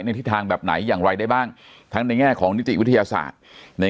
ทิศทางแบบไหนอย่างไรได้บ้างทั้งในแง่ของนิติวิทยาศาสตร์ใน